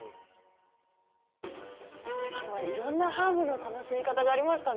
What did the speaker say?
今日はいろんなハーブの楽しみ方がありましたね。